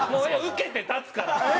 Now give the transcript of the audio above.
受けて立つから！